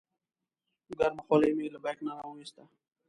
ګرمه خولۍ مې له بیک نه راوویسته.